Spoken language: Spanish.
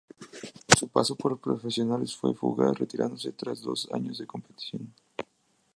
Su paso por profesionales fue fugaz, retirándose tras dos años de competición.